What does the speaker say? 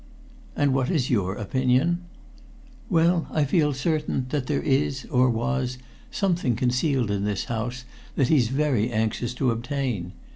"And what is your opinion?" "Well, I feel certain that there is, or was, something concealed in this house that he's very anxious to obtain.